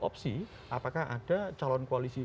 opsi apakah ada calon koalisi